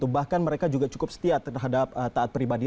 bahkan mereka juga cukup setia terhadap taat pribadi